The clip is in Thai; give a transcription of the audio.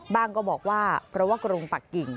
ก็บอกว่าเพราะว่ากรุงปักกิ่ง